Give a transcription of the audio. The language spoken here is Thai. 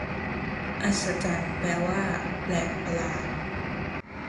อัศจรรย์ แปลว่าแปลกประหลาด